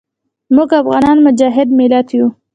موږ افغانان مجاهد ملت یو.